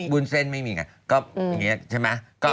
วุ้นเส้นไม่มีไงก็อย่างนี้ใช่ไหม